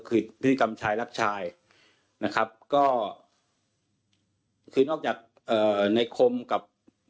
ก็คือพิธีกรรมชายรักชัยนะครับ